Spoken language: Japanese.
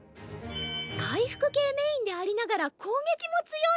回復系メインでありながら攻撃も強い。